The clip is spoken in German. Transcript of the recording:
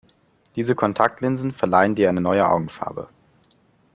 Diese Kontaktlinsen verleihen dir eine neue Augenfarbe.